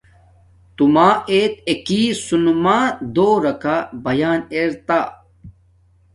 تو ما ایت اکی سنماک دوراکا بیان ار تا۔